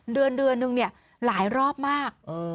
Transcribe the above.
เดือนนึงเนี่ยหลายรอบมาก